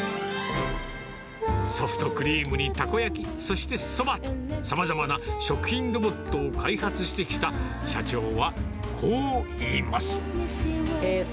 ソフトクリームにたこ焼き、そしてそばと、さまざまな食品ロボットを開発してきた社長は、こう言います。